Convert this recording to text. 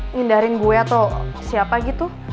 ngindarin gue atau siapa gitu